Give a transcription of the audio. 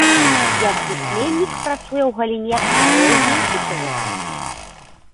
Як пісьменнік працуе ў галіне паэзіі і прозы.